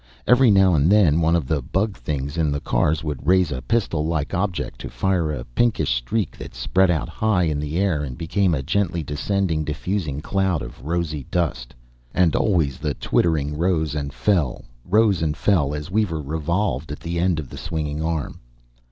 Every now and then one of the bug things in the cars would raise a pistol like object to fire a pinkish streak that spread out, high in the air, and became a gently descending, diffusing cloud of rosy dust. And always the twittering rose and fell, rose and fell as Weaver revolved at the end of the swinging arm.